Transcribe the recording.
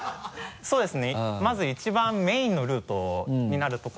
そうですね